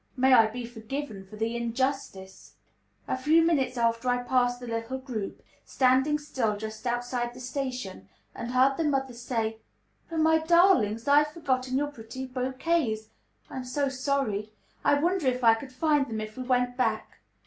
May I be forgiven for the injustice! A few minutes after I passed the little group, standing still just outside the station, and heard the mother say, "Oh, my darlings, I have forgotten your pretty bouquets. I am so sorry! I wonder if I could find them if I went back.